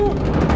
kau mau main